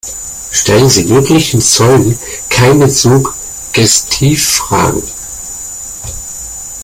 Stellen Sie möglichen Zeugen keine Suggestivfragen.